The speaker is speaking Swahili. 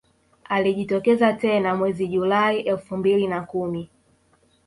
Alijitokeza tena mwezi Julai elfu mbili na kumi